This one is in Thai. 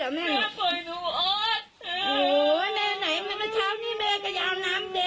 โหแม่ไหนมาเช้านี้แม่กระยาวน้ำแดงน้ำเครื่องให้กินอยู่เลย